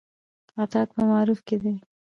اطاعت په معروف کې دی